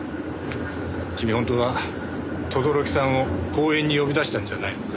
君本当は轟さんを公園に呼び出したんじゃないのか？